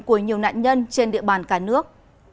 của nhiều nạn nhân trên địa bàn cả nước